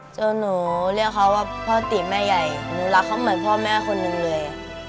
จนหนูเรียกเขาว่าพ่อตีแม่ใหญ่หนูรักเขาเหมือนพ่อแม่คนหนึ่งเลย